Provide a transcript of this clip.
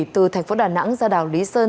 từ thành phố đà nẵng ra đảo lý sơn